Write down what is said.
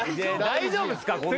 大丈夫ですか？